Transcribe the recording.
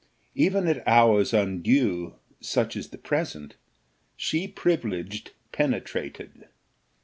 Even at hours undue, such as the present, she, privileged, penetrated.